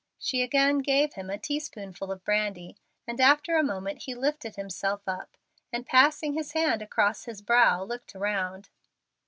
She again gave him a teaspoonful of brandy, and after a moment he lifted himself up, and, passing his hand across his brow, looked around.